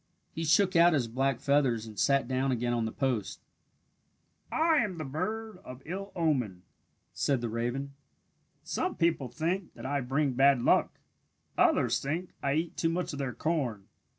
He shook out his black feathers and sat down again on the post. "I am called the bird of ill omen," said the raven. "Some people think that I bring bad luck. Others think I eat too much of their corn.